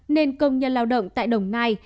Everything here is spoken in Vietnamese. nên công nhân lao động tại đồng nai